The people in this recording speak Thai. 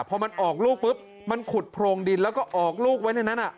พอมันออกลูกปุ๊บมันขุดโพรงดินแล้วก็ออกลูกไว้ในนั้น